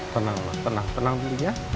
tenang pak tenang tenang dulu ya